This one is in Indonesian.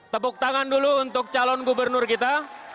tepuk tangan dulu untuk calon gubernur kita